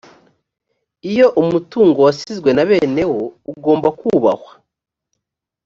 iyo umutungo wasizwe na bene wo ugomba kubahwa